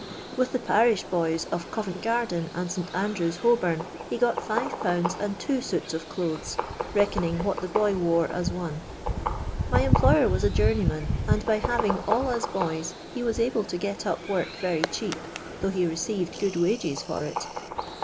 With thf pariiih boys of (.'ovent ff.irdi II and St. Andrew's, Holboni, he got 5i. and two MiitH of clothes, reckoning what the 1>oy wore iiH one. My employer was a jounieyman, niid by having all us boys he was able^ii get up work viry rln ap, though he received good wages for it.